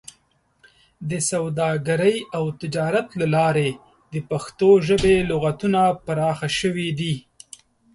د سوداګرۍ او تجارت له لارې د پښتو ژبې لغتونه پراخه شوي دي.